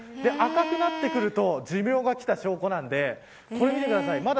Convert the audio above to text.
赤くなってくると寿命が来た証拠なのでこれを見てください。